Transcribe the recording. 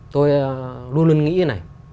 tôi luôn luôn nghĩ thế này